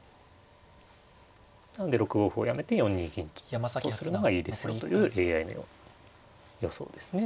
なので６五歩をやめて４二銀とするのがいいですよというＡＩの予想ですね。